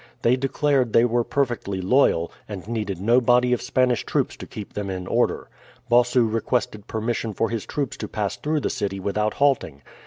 They declared they were perfectly loyal, and needed no body of Spanish troops to keep them in order. Bossu requested permission for his troops to pass through the city without halting.